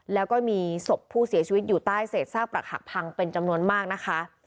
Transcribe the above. แล้วก็มีศพผู้เสียชีวิตอยู่ใต้เศษซากปรักหักพังเป็นจำนวนมากนะคะ